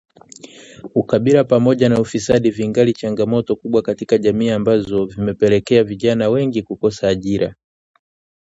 ukabila pamoja na ufisadi vingali changamoto kubwa katika jamii ambazo zimepelekea vijana wengi kukosa ajira